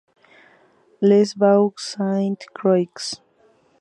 Les Baux-Sainte-Croix